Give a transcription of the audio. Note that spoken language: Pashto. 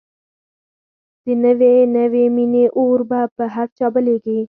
د نوې نوې مینې اور به په هر چا بلېږي